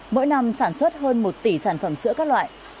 mỗi năm sản xuất hơn một tỷ sản phẩm sữa các loại